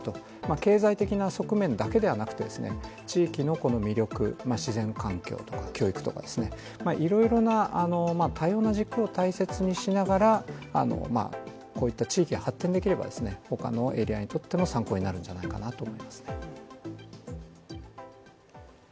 経済的な側面だけではなく地域の魅力、自然環境とか教育とか、いろいろな多様な軸を大切にしながらこういった地域が発展ができれば他のエリアにとっても参考になるんじゃないかなと思いますね。